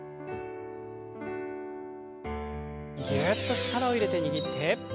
ぎゅっと力を入れて握って。